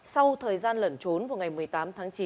sau thời gian lẩn trốn vào ngày một mươi tám tháng chín